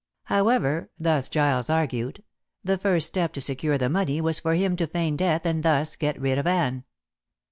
However, thus Giles argued, the first step to secure the money was for him to feign death and thus get rid of Anne.